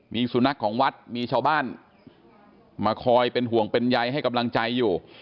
มีสุนัขของวัดมีชาวบ้านมาคอยเป็นห่วงเป็นใยให้กำลังใจอยู่